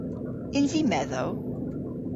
Yns i medhow?